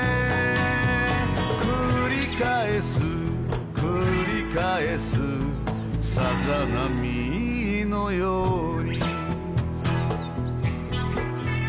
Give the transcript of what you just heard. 「くり返すくり返すさざ波のように」